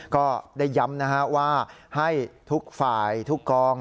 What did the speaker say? ก็ได้ย้ำนะฮะว่าให้ทุกฝ่ายทุกกอง